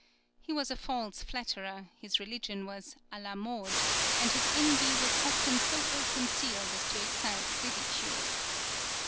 He was a false flatterer, his religion was à la mode, and his envy was often so ill concealed as to excite ridicule.